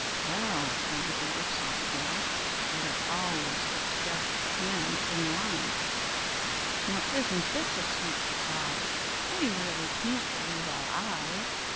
"Well!" said the dwarfs, all together, for they always spoke together and in rhyme, "Now isn't this a sweet surprise? We really can't believe our eyes!"